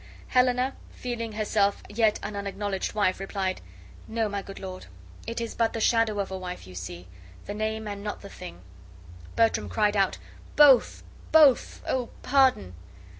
Helena, feeling herself yet an unacknowledged wife, replied, "No, my good lord, it is but the shadow of a wife you see; the name and not the thing." Bertram cried out: "Both, both! Oh pardon!"